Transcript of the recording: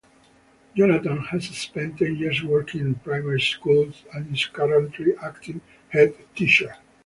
Jonathan has spent ten years working in primary schools and is currently Acting Headteacher.